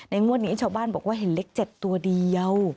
งวดนี้ชาวบ้านบอกว่าเห็นเลข๗ตัวเดียว